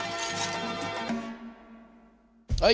はい。